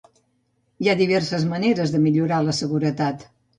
Hi ha diverses maneres de millorar la seguretat.